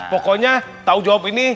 pokoknya tahu jawab ini